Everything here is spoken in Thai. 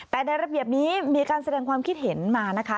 แต่ในระเบียบนี้มีการแสดงความคิดเห็นมานะคะ